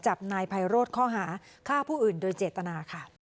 จับนายไพโรธข้อหาฆ่าผู้อื่นโดยเจตนาค่ะ